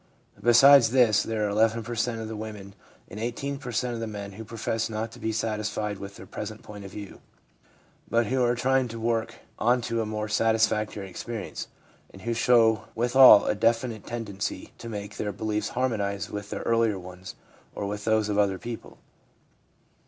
Besides this there are 1 1 per cent, of the women and 18 per cent, of the men who profess not to be satisfied with their present point of view, but who are trying to work on to a more satisfactory experience, and who show withal a definite tendency to make their beliefs harmonise with their earlier ones or with those of other people.